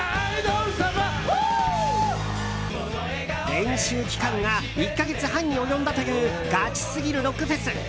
練習期間が１か月半に及んだというガチすぎるロックフェス。